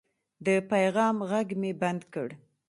د پیغام غږ مې بند کړ.